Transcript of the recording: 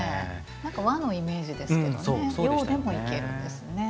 和のイメージですけど洋でもいけるんですね。